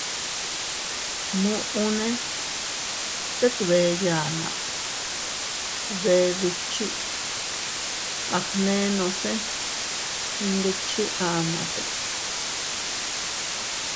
Muʼune tet bee yanna, bee bikchi, agnenose ndikchi amate.